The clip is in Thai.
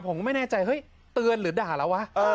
ผมก็ไม่แน่ใจเฮ้ยเตือนหรือด่าแล้ววะ